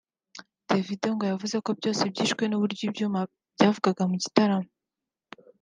Davido ngo yavuze ko byose byishwe n’uburyo ibyuma byavugaga mu gitaramo